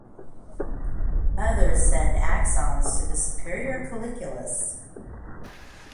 Others send axons to the superior colliculus.